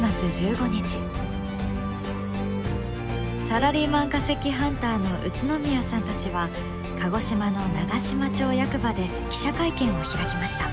サラリーマン化石ハンターの宇都宮さんたちは鹿児島の長島町役場で記者会見を開きました。